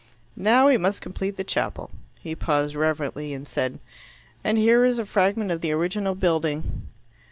"Now we must complete the chapel." He paused reverently, and said, "And here is a fragment of the original building."